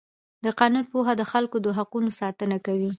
د قانون پوهه د خلکو د حقونو ساتنه کوي.